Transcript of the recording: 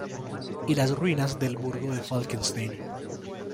Y las ruinas del Burgo de Falkenstein.